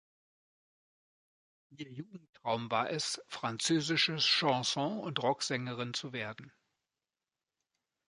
Ihr Jugendtraum war es, französische Chanson- oder Rocksängerin zu werden.